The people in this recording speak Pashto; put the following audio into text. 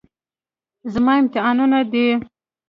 زما امتحانونه دي.